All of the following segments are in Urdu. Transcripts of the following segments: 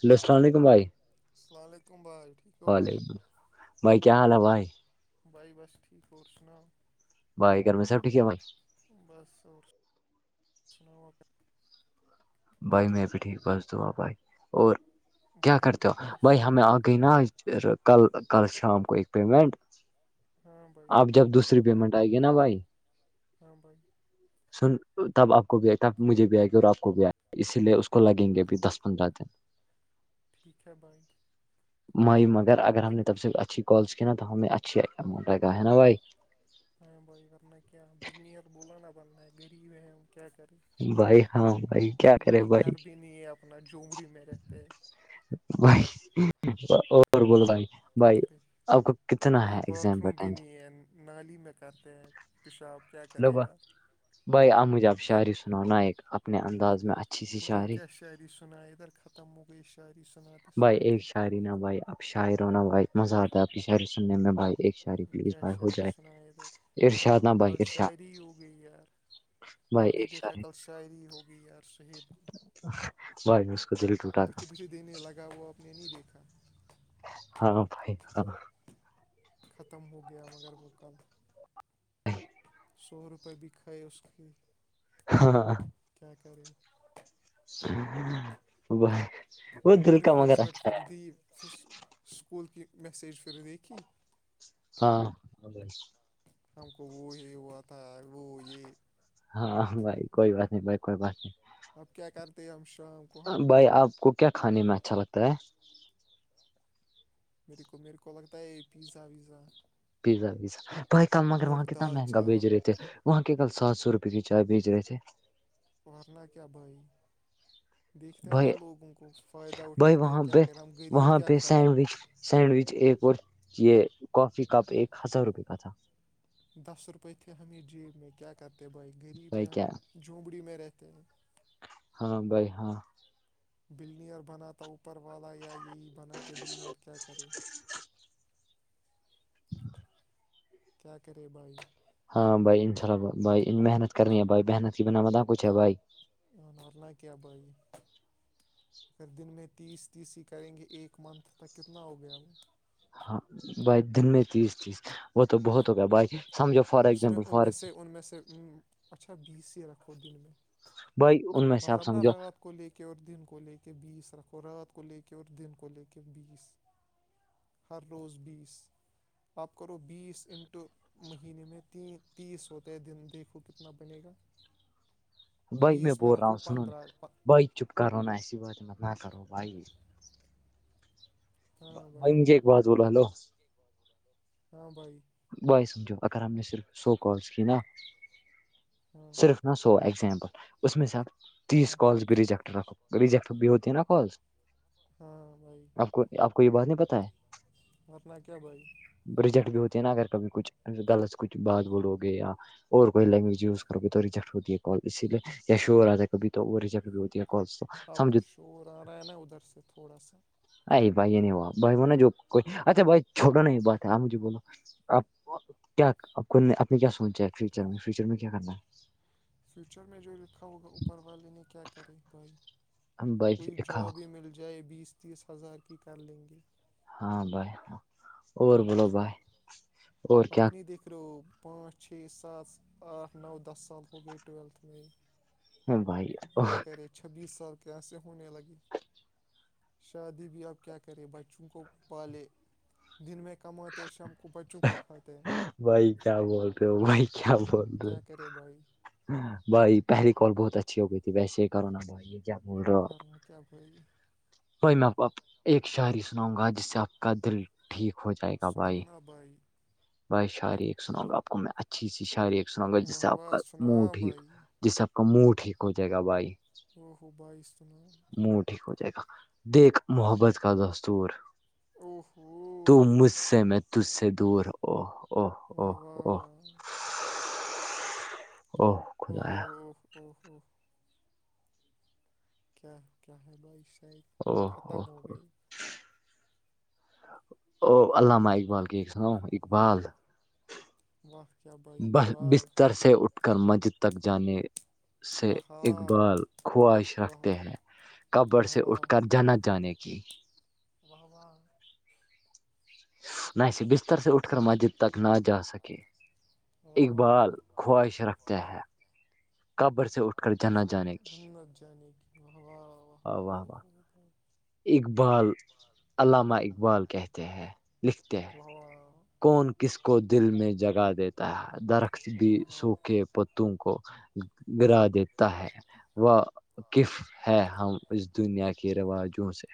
ہیلو السلام علیکم بھائی السل علیکم بائے ٹھیک ہو بھائی وعلیکم الام بھائی کیا حال ہے بھائی بھائی بس ٹھیک اور سناؤ بھائی گھر میں سب ٹھیک ہے بھائی بس اور س بھائی میں بھی ٹھیک بس دوں بھائی اور کیا بھائی کرتے ہو بس بھائی میں ہمیں گئی نا آج کل کل شام کو ایک پیمنٹ ہاں بھائی آپ جب دوسری پیمنٹ آئے گی نا بھائی ہاں بھائی سن تب آپ کو بھی آئے تب مجھے بھی آئے اور آپ کو بھی آئے اسی لیے اس کو لگیں گے بھی دس پندرہ دن ٹھک ہے بائی مائی مگر اگر ہم نے تب سے اچھی کالس کی نا تو ہم اچھی ملگا ہے نا بھائی ہ بھائی ورنہ کیا بدنر بول نا بننا ہے غریب ہے ہم کیا کرے بھائی ہاں بھائی کیا کرے وہی بھائی گھر بھی نہیں ہے اپنا جومڑی میں رہتے ہے بھائی اور بول بھائی کیا کریں آ کو کت [unintelligible] بھائی باتھ روم بھی نہیں ہے نالی میں کرتے ہیں پیشاب کیا ہیلو کرے بھائی یار بھائی آپ مجھے آپ شاعری سناؤ نا ایک اپنے انداز میں اچھی سی بھائی شاعری کیا شاعری سنا ادھر ختم ہو گئی شاعری سنا بھائی ایک شاعری نہ بھائی اپ شاعر ہوناا بھائی مزہ آتا ہے آپ کی شاعری سننے میں بھائی ایک شاع میں کیا شاعری سنا ہے ادھر ارشاد نا بھائی کل ارشاد شاعری ہوگئی یار بھائی کل نہیں ایک دیکھا شاعری کل شاعری ہوگئی یار سہیب بھائی اس کو دل ٹوٹا گا بھے بھے دینے لگا وہ آپ نے نہیں دیکھا ہاں بھائی ہاں ختم ہو گیا مگر وہ کل سورپے بھی کائے اس کے ہاں کیا کرے ا ب [unintelligible] ریفریشمنٹ پھر دی سکول کی میسیج پھر دیکھیھی ہاں ا ج [unintelligible] ہم کو وہ یہ ہوا تھا وہ یہ ہاں بھائی کوئی بات نہیں بائی کوئی بات نہیں اب کیا کرتے ہیں ہم شام کو ہاں بھائی آپ کو کیا کھانے میں اچھا لگتا ہے میرے کو میرے کو لگتا ہے پیزا ویزا پیزا وزا بائی کل مگر اور وہاں کتنا دال مہنگا بھیج چاول رہے تھے وہاں کے کل سات سو روپے کی چائے بیچ رہے تھے توورنا کیا بھائی دیکھتے ہے نا بھائی لوگوں کو فائدہ بھائی اٹھاتے ہیں وہاں کیا پہ کر ہم غریب وہاں کیا پہ کھاتے ہیں سینڈوچ سینڈوچ ایک اور یہ کافی کپ ایک ہزار روپئے کا تھا دس روپئے تھے ہم یہ جیب میں کیا کرتے بھائی غریب بھائی یہاں کیا جھونبڑی میں رہتے ہیں ہاں بائی ہاں بلنیئر بناتا اوپر والا یا یہی بناتے بلنیئر کیا کرے کیا کرے بائی ہاں بھائی ان شاء اللہ بائی محنت کر رہی ہے بھائی محنت کی بنا بت کچھ ہے بھائی ورنا کیا بھائی پھر دن میں تیس تیس ہی کریں گے ایک منتھ تک کتنا ہو گیا وہ ہاں بھائی دن میں تیس تیس وہ تو بہت ہو گیا بھائی سمجھو فار اس میں ایگزامپل ان فار میں سے ان میں سے اچھا بیسی رکھو دن میں بھائی ان میں سے بس آپ اب نا سمجھو رات کو لے کے اور دن کو لے کے بیس رکھو رات کو لے کے اور دن کو لے کے بیس ہر روز بیس آ پ کرو بیس اننٹو مہینے میں ت تیس ہوتا ہے دن دیکھو کتنا بنے گا [inaudible] بائی میں بیس بول رہا رکھو ہوں سنون پندرہ بائی چپ کرو نا ای نہ کرو بھائی ہاں بھائی بم ج ایک باز بولو نو [unintelligible] ہاں بھائی بوائے سمجھو اگر ہم نے صرف سو کالس کی نا ہاں صرف سو ایگزامپل اس میں سے آپ ہاں تیس کالس بھی ریجیکٹ رکھو ریجیکٹ بھی ہوتے ہے نا کالس ہاں بھائی آپ کو آپ کو یہ بات نہیں پت ہے ورنہ کیا بھائی ریجیکٹ بھی ہوتے ہے نا اگر کبھی کچھ لط سے کچھ بات بولو گے یا اور کوئی لینگویج یز کر گے تو ریجیکٹ ہوتی ہے کال اسی لیے یا شور راجا کبھی تو وہ ریا ک بھی ہوتی ہے کالس تو آپ سمجھو کچ شور آ رہا ہے نا ادھر سے تھوڑا سا بھائی نہیں بائی نے جو کوئی اچھا بھائی چوٹو نہیں بات ہے آمج جو بولو آپ کیا آپ کو آپ نے کیا سوچا ہے فیوچر میں فیوچر میں کیا کرنا ہے فیوچر میں جو لکھا ہوگا اوپر والے نے کیا کرے بھائی ہے ہم بھائی کوئی کھاؤ جاب ہی مل جائے بیس تیس ہزار کی کر لیں گے ہاں بھائی اور ورنہ بولو بھائی اور کیا فکرو پانچ چھ سات آٹھ نو دس سال ہو گئے ٹویلتھ ہاں بھائیو کیا کرے چھبیس سال کیسے ہونے لگے شادی بھی آپ کیا کریں بچوں کو پالے دن میں کماتے ہیں شام کو بچوں کو کھاتے ہیں بائی کیا بول رہے ہو بائی کیا بول رہے کیا ہو کرے بھائی بھائی پہلی کال بہت اچھی ہو گئی تھی ویسے ہی کرو نا بھائی یہ جامن رپ کرنا کیا بھائی بائی میں ایک شاعری سناؤں گا جس سے آپ کا دل ٹھیک ہو جائے بھائی سنانا بھائی بھائی شاریخ سناؤں گا آپ کو میں اچھی سی شارخ سناں گا جس سے واہ آپ کا واہ منہ سنا ٹھیک بھائی جس سے آپ کا منہ ٹھیک ہو جائے گا بھائی بائیستونام منہ ٹھیک ہو جائے گا دیکھ محبت کا دستور او تو ہو مجھ سے میں تج سے دور واہ او واہ ہاں ہاں کیا کیا ہے بھائی شاید ہاں ختم ہو گئے او اللامہ اقبال کی سناؤ اقبال واہت کیا بتا ہے بستر سے اٹھ کر منجھ تک جانے سے آہا اقبال خواہش واہ رکھتے ہیں کبر واہ سے اٹھ واہ کر جنت جانے کے جی واہو نہ اسے بستر سے اٹھ کر مسجد تک نہ جا سکے واہ واہ واہ اقبال خواہش رکھتے ہے قبر سے اٹھ کر جنت جانے کی ہمنت جانے کہ ہاں واہ واہ واہ اقبال علامہ اقبال کہتے ہیں لکھتے ہیں واہ واہ کون کس کو دل میں جگا دیتے درخت بھی واہ سوکے پتوں کو گرا دیتا ہے وہ کف ہے ہم اس دنیا کے رواجوں سے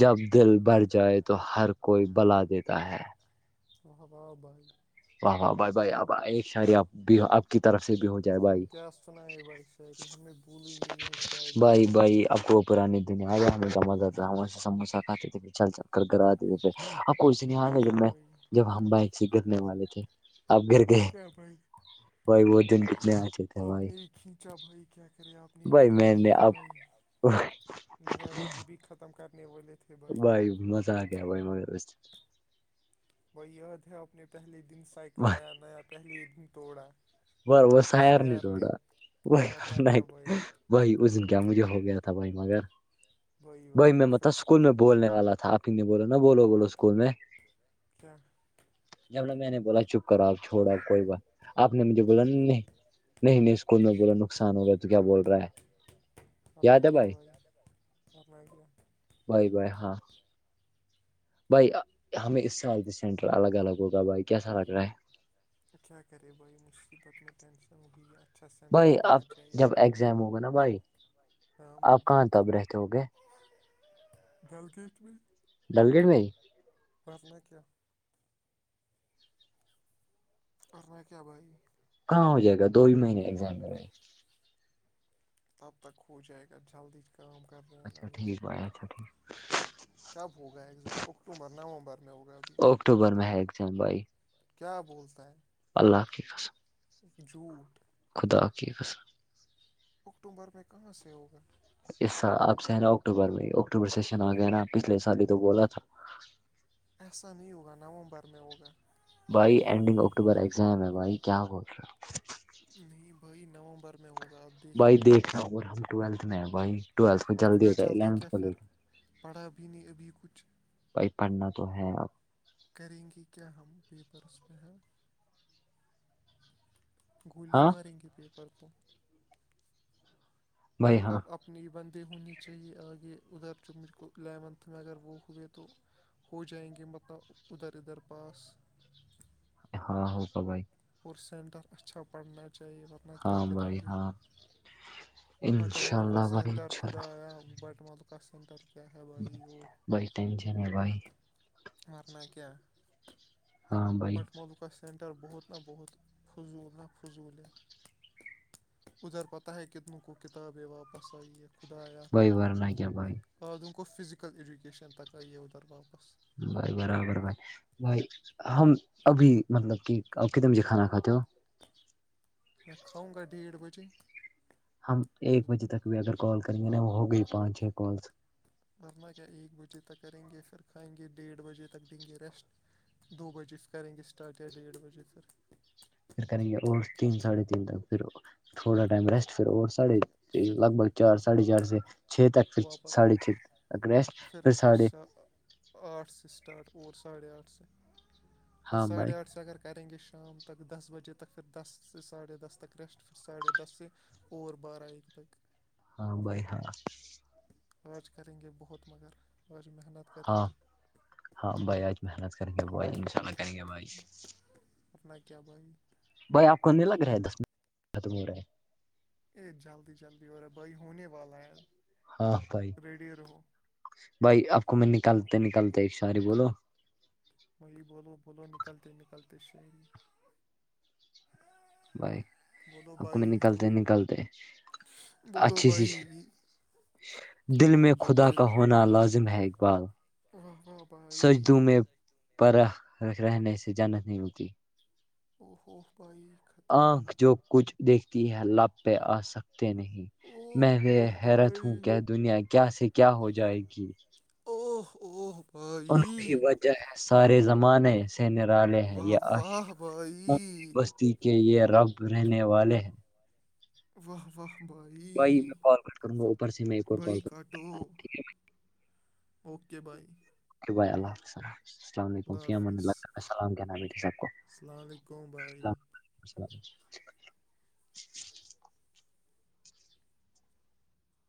جب دل بڑھ جائے تو ہر کوئی بلا دیتا ہے واہ واہ بائی ہاں بھائی بھائی اب ایک ساریپ ہم کیا سنائے بھائی شاعری ہمیں بھول گ یہ شاعرییاں بھائی بھائی آپ کو پرانی دنیا ہے ہمیں جما جا تھا وہ سے سموسہ کھاتے تھے پھر چل چل کرواتےتے تھے کچھ نہیں آ ورنہ رہا جب کیا میں بھائی جب ہم بائک سے گرنے والے تھ آپ گھر گ ورنہ کیا بھائی بائی وہ دن کتنے چے تھے آپ ہمائی نے ہی کھینچا بھائی کیا کرے آپ نے گرا نے دیا ہے آپ بھائی کو ڈرائیور کو بھی ختم ختم کرنے تھے بھائی بائی مزا آ گیا بھائی وہ یاد ہے اپنے پہلے دن سائیکل آیا نیا پہلے ہی دن توڑا بر وہسایار نہیں سیار نے تھوڑا وہ ورنہ کیا بھائی وہی اس دن کیا مجھے ہو گیا تھا وہی مگر بھائی واہ وہی میں واہ مب پھر اس کے اسکول میں بعد بولنے والا تھا کنے بولو نا بولو بولوکول میں کیاچ جب ن میں نے بولا چپ کرا آپ چھوڑا پرنا کوئی بات آپ نے مجھے بولا پرنا نہیں کیا نہیں نہیں اسکول میں با نقصان ہوگا تو کیا بول رہا ہے پننا یاد ہے کیا بھائی لوے پننا کیا کیا بائے بائے ہاں بھائی ہمیں اس سے آر سینٹر الگ الگ ہوگا بھائی کیسا لگ رہا ہے کیا کیا کرے باائی مصیبت میں ٹنشن وہی بھائی اب جب ایگزام ہوگا نا بھائی ہاں آپ کہاں تب رہتے ہو گے چل کس ڈل گیٹ میں فھرنا کی اور میں کیا بھائی کہاں ہو جائے گا دو ہی مہینے ایگزام میں تب تک ہوھ جائے گ جلدیچ کا کر رہا اچھا ٹھیک بھائی اچھا ٹھیک کب ہوگا ایگزام اکتوبر نومبر میں ہوگا ابھی اکٹوبر میں ہے ایکگام بھائی کیا بولتا ہے اللہ حف قسم جھوٹھ خدا ا کےے قسلم اکتوبر میں کہاں سے ہوگا یس سر آپ سے ہے نا اکٹوبر میں اکٹوبر سیشن آ گیا نا پچھلے سال ہی تو بولا تھا ایسا نہیں ہوگا نومبر میں ہوگا بھائی اینڈنگ اکٹوبر ایگزام ہے بھائی کیا رہا ہے نہیں بھ نومبر میں ہو بھائی دیکھا اور ہم ٹویلتھ میں بائی ٹویلت کو جلدی اتنا ہوتا ہے اتھ کیا کو پھر لیٹ پڑھا بھی نہیں ابھی کچھ بھائی پڑھنا تو ہے کریں گے کیا ہم پیپرس میںہ ہیں گولی ہاں ماریں گے پیپر کو بھائی میرے ہاں کوپ اپ اپنی بندے ہونی چاہیے آگے ادھر جو مجھ کو الیونتھ میں اگر وہ ہوئے تو ہو جائیں گے مطلب ادھر ادھر پاس ہاں ہو بھائی اور سینٹر اچھا پڑھنا چاہیئے ورنہ کیا ہاں کریں بھائی گے ہاں وہ بٹہ انشاء ملکا اللہ بھائی سینٹر انشاء خدایا بٹ ملکہ سینٹر کیا ہے اللہ بھائی وہ بھائی ٹینشن ہے بھائی مرنا کیا ہاں بھائی بٹمل کا سینٹر بہت بہت فضول نہ فضول ہے ادھر پتا ہے کتنی کو کتاب واپس آئی ہے خدایا بھائی ورنہ کیا بھائی قعدم گ فزكل ایجوکیشن تک آ اوتر واپس بھائی برابر بھائی بھائی ہم ابھی مطلب کہ کتنے بجے کھانا کھاتے ہو میں کھاؤ گا ڈیڑھ بجے ہم ایک پھر بجے تک بھی اگر کال کریں گے نا وہ ہو گئی پانچ چھ کالس بم اگر ایک بجے تک کریں گے پھر کھائیں گے ڈیڈھ بجے تک دیں گے ریسٹ دو بجے پھر کریں گے اسٹارٹ یا ڈیڑھ بجے پھر پھر کریں گے اور تین ساڑھے تین تک پھر تھوڑا ٹائم ریسٹ فر اور ساڑھے پھر لگ بھگ چار ساڑھے چار سے چھ تک واپس ساڑھے چھ ٹک‌ریسٹ پھر ساڑھے آٹھ سے سٹارٹ اور ساڑھے آٹھ سے پھر ہاں بھائی ساڑھے آٹھ سے اگر کریں گے شام تک دس بجے تک فر دس سے ساڑھے دس تک ریسٹ پھر ساڑھے دس سے اور بارہ ایک تک ہاں بھائی ہاں آج کریں گے بہت مگر آج محنت کریں ہاں گے ہاں بھائی آج محنت کریں گے بھائی انشاء اللہ کریں گے بھائی ورنہ کیا بھائی بھائی آپ کونے لگ رہا ہے دس منٹ ختم ہو رہا ہے اے جلدی جلدی ہو رہا بھائی ہونے والا ہے ہاں بھائی ریڈی رہو بھائی آپ کو میں نکلتے نکالتے ایک شاعری بولوں بھائی بولو بولو نکلتے نکلتے شعری بھائی بولو اپ کو میں بھائی نکلتے نکلتے بولو اچھی سی بھائی دل میں بولو خدا بھائی کا ہونا ہونا لازم ہے اقبال واہ واہ بھائی پر رہنے سے جنت نہیں ملتی اوہ اوہ بھائی ختم آنکھ بھائی جو کچھ دیکھتی ہے لب پہ آ سکتے نہیں اوہ میں وے اوہ حیرت ہوں بھائی کے دنیا کیا سے کیا ہو جائے گی اوہ اوہ ان کی بھائی وجہ ہے سارے زمانے سے نرالے ہیں واہ یہ عاشق واہ بھائی بستی کے یہ رب رہنے والے ہیں واہ واہ بھائی میں کال کٹ کروں گا اوپر سے میں ایک اور بھائی کال کروں کاٹو اوکے بائی اوکے بای اللہ حافظ السلام علیکم فی امان حافظ اللہ السلام کہنا میری سب کو السلام علیکم بھائی [inaudible]